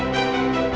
r langga permadi